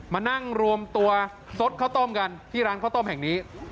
มานั่งรวมตัวซดข้าวต้มกันที่ร้านข้าวต้มแห่งนี้